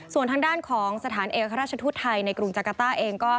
ส่วนทางด้านสถานเอกราชทธุธไทยในกรุงจังกะต้าเอง